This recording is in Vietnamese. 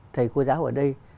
thầy cô giáo ở đây